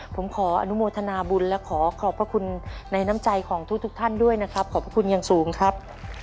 ผมขออนุโมทนาบุญและขอขอบพระคุณในน้ำใจของทุกท่านด้วยนะครับขอบพระคุณอย่างสูงครับ